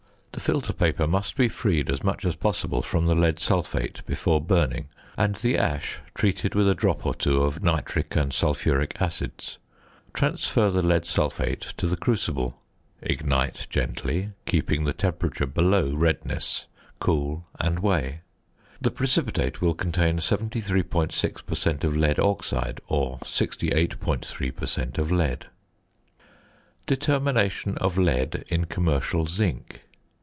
The filter paper must be freed as much as possible from the lead sulphate before burning, and the ash treated with a drop or two of nitric and sulphuric acids. Transfer the lead sulphate to the crucible; ignite gently, keeping the temperature below redness; cool, and weigh. The precipitate will contain 73.6 per cent. of lead oxide or 68.3 per cent. of lead. ~Determination of Lead in Commercial Zinc.